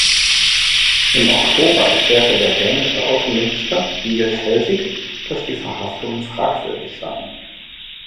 Im Oktober erklärte der dänische Außenminister Niels Helvig, dass die Verhaftungen fragwürdig seien.